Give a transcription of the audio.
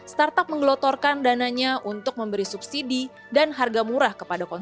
startup menggelotorkan dananya untuk memberi subsidi dan harga murah kepada konsumen